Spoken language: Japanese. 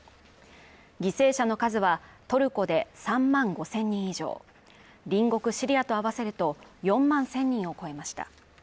犠牲者の数はトルコで３万５０００人以上隣国シリアと合わせると４万１０００人を超えました